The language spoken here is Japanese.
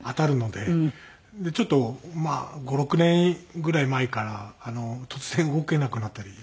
でちょっとまあ５６年ぐらい前から突然動けなくなったりですね。